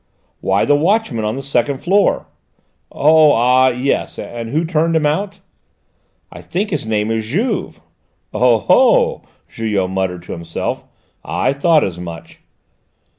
"Why, the watchman on the second floor." "Oh, ah, yes; and who turned him out?" "I think his name is Juve." "Oh ho!" Julot muttered to himself. "I thought as much!"